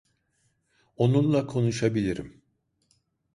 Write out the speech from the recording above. Onunla konuşabilirim.